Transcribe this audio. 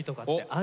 あ。